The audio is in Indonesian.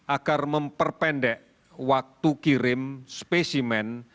agar memperpendek waktu kirim spesimen